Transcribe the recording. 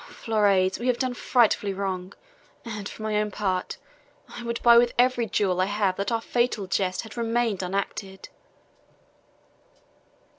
Florise, we have done frightfully wrong, and, for my own part, I would buy with every jewel I have that our fatal jest had remained unacted."